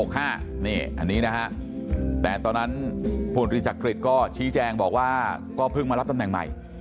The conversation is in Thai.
เพราะฉะนั้นผลฤทธิ์จักริจก็ชี้แจงบอกว่าก็เพิ่งมารับตำแหน่งใหม่